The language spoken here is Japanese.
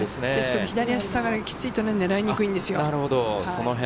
左足下がりがキツイと狙いにくいんですよ。